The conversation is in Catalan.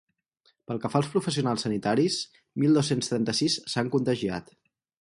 Pel que fa als professionals sanitaris, mil dos-cents trenta-sis s’han contagiat.